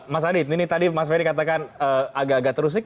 mas adit ini tadi mas ferry katakan agak agak terusik